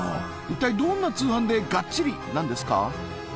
一体どんな通販で「がっちり」なんですか？